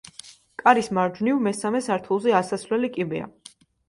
კარის მარჯვნივ მესამე სართულზე ასასვლელი კიბეა.